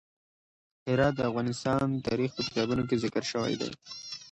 هرات د افغان تاریخ په کتابونو کې ذکر شوی دي.